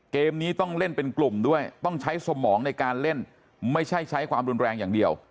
เกมนี้ต้องเล่นเป็นกลุ่มด้วยต้องใช้สมองในการเล่นไม่ใช่ใช้ความรุนแรงอย่างเดียว